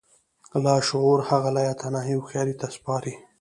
لاشعور هغه لايتناهي هوښياري ته سپاري.